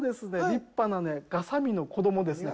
立派なガザミの子供ですね。